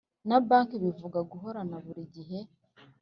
na banki bivuga guhorana buri gihe